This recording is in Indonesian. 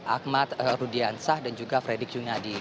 ahmad rudiansah dan juga fredy kyunyadi